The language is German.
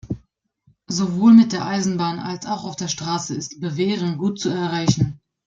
Sowohl mit der Eisenbahn als auch auf der Straße ist Beveren gut zu erreichen.